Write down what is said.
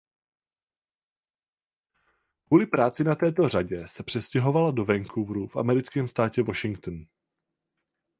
Kvůli práci na této řadě se přestěhovala do Vancouveru v americkém státě Washington.